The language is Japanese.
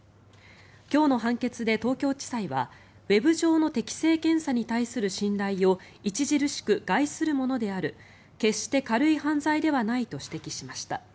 今日の判決で東京地裁はウェブ上の適性検査に対する信頼を著しく害するものである決して軽い犯罪ではないと指摘しました。